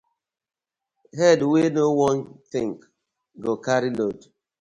Head wey no wan think, go carry load: